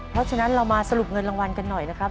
เพราะฉะนั้นเรามาสรุปเงินรางวัลกันหน่อยนะครับ